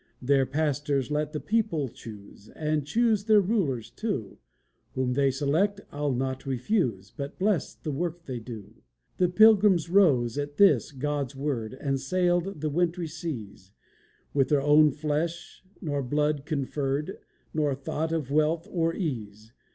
Their pastors let the people choose, And choose their rulers too; Whom they select, I'll not refuse, But bless the work they do. The Pilgrims rose, at this, God's word, And sailed the wintry seas: With their own flesh nor blood conferred, Nor thought of wealth or ease.